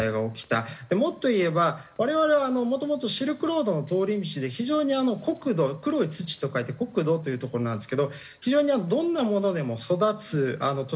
もっと言えば我々はもともとシルクロードの通り道で非常に黒土「黒い土」と書いて黒土という所なんですけど非常にどんなものでも育つ土地柄なんですね。